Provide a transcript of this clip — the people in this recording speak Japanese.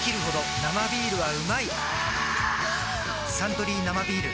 「サントリー生ビール」